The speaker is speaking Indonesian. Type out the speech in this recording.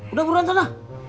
udah buruan sana